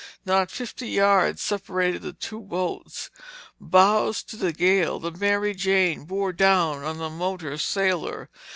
Not fifty yards separated the two boats. Bows to the gale, the Mary Jane bore down on the motor sailor.